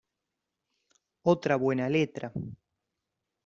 Otra buena letra.